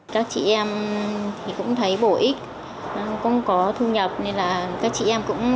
các chị em thì cũng thấy bổ ích